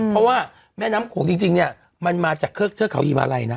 เพราะว่าแม่น้ำโขงจริงเนี่ยมันมาจากเทือกเทือกเขาฮิมาลัยนะ